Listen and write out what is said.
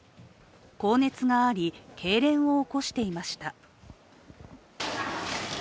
高熱があり、けいれんを起こしていました。